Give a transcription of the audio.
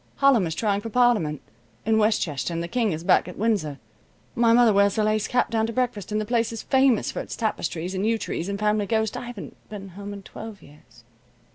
"Hallem is trying for Parliament in Westchester and the King is back at Windsor. My mother wears a lace cap down to breakfast, and the place is famous for its tapestries and yew trees and family ghost. I haven't been home in twelve years."